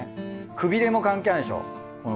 くびれも関係あるんでしょ？